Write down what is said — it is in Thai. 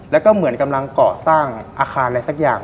แล้วก็เหมือนกำลังเกาะสร้างอาคารอะไรสักอย่าง